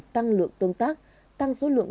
tăng lượng tương tác tăng số lượng